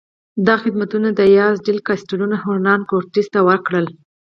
دا خدمتونه دیاز ډیل کاسټیلو هرنان کورټس ته وکړل.